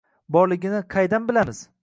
Borligini qaydan bilamiz?!